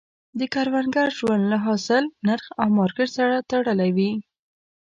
د کروندګر ژوند له حاصل، نرخ او مارکیټ سره تړلی وي.